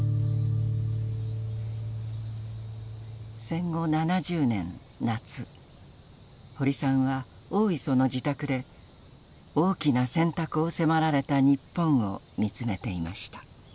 戦後７０年夏堀さんは大磯の自宅で大きな選択を迫られた日本を見つめていました。